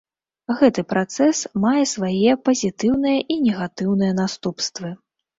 Гэты працэс мае свае пазітыўныя і негатыўныя наступствы.